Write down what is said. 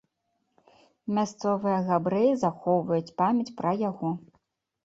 Мясцовыя габрэі захоўваюць памяць пра яго.